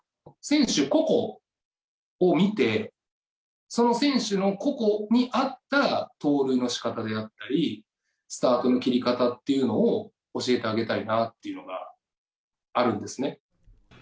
選手個々を見て、その選手の個々に合った盗塁のしかたであったり、スタートの切り方っていうのを、教えてあげたいなっていうのがあるんですね。